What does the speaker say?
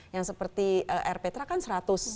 yang seperti elf petra kan seratus